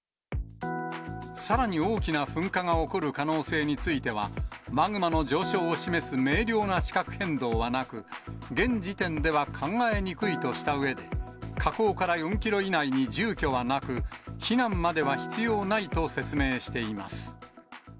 さらに大きな噴火が起こる可能性については、マグマの上昇を示す明瞭な地殻変動はなく、現時点では考えにくいとしたうえで、火口から４キロ以内に住居はなく、避難までは必要ないと説明しています。